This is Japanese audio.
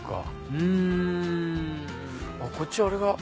うんこっちあれが。